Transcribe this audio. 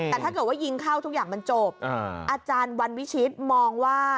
แต่ถ้าเกิดว่ายิงเข้าทุกอย่างมันจบอาจารย์วันวิชิตมองว่า